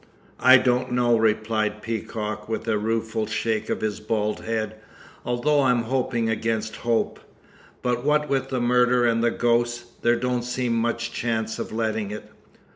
"I don't know," replied Peacock, with a rueful shake of his bald head, "although I'm hoping against hope. But what with the murder and the ghost, there don't seem much chance of letting it.